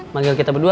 manggil kita berdua